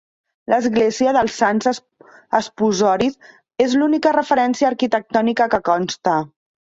L'Església dels Sants Esposoris és l'única referència arquitectònica que consta.